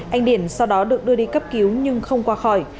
anh điển sau đó được đưa đi cấp cứu nhưng không qua khỏi